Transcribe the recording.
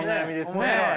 面白い。